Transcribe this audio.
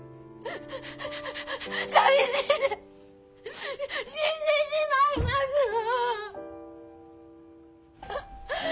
寂しいて死んでしまいますわ！